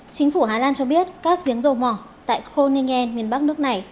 chính phủ hà lan cho biết các giếng dầu mỏ tại kroningel miền bắc nước này